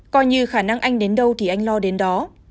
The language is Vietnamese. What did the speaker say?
coi như khả năng anh đến đâu thì anh lo đến đó